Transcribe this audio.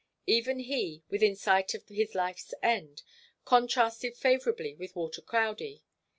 Even he, within sight of his life's end, contrasted favourably with Walter Crowdie.